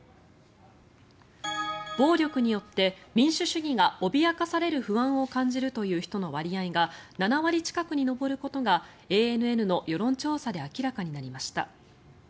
暴力によって民主主義が脅かされる不安を感じるという人の割合が７割近くに上ることがＡＮＮの世論調査で明らかになりました。